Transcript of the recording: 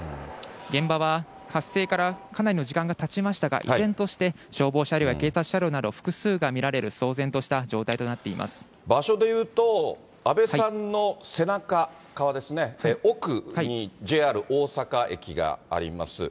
現場は発生からかなりの時間がたちましたが、依然として消防車両や警察車両など複数が見られる騒然とした状態場所で言うと、阿部さんの背中側ですね、奥にＪＲ大阪駅があります。